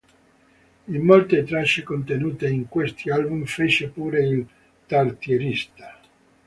In molte tracce contenute in questi album fece pure il tastierista.